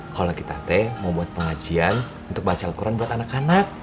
kalau kita tante mau buat pengajian untuk baca alquran buat anak anak